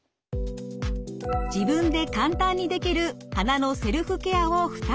自分で簡単にできる鼻のセルフケアを２つご紹介。